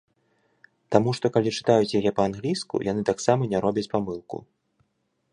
Таму што, калі чытаюць яе па-англійску, яны таксама не робяць памылку.